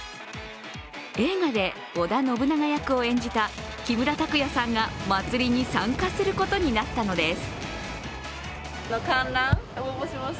映画で織田信長役を演じた木村拓哉さんが祭りに参加することになったのです。